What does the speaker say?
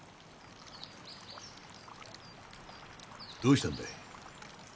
どうしたんだい？